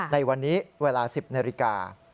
ในวันนี้เวลา๑๐นาฬิกา